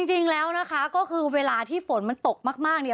จริงแล้วนะคะก็คือเวลาที่ฝนมันตกมากเนี่ย